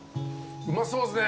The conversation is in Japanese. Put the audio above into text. うまそうですね。